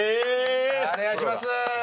お願いします！